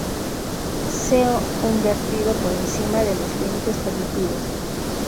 se un vertido por encima de los límites permitidos